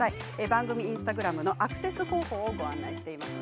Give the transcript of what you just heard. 番組インスタグラムのアクセス方法をご案内しています。